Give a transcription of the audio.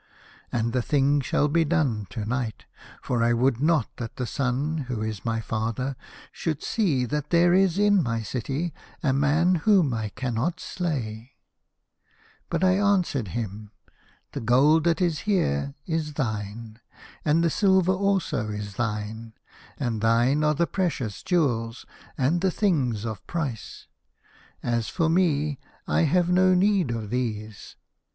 And the thing shall be done to night, for I would not that the Sun, who is my father, should 106 The Fisherman and his Soul . see that there is in my city a man whom I cannot slay.' " But I answered him, ' The gold that is here is thine, and the silver also is thine, and thine are the precious jewels and the things of price. As for me, I have no need of these.